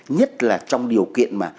nhất là trong điều kiện mà